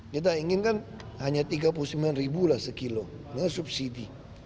kita inginkan hanya tiga puluh sembilan ribu lah sekilo subsidi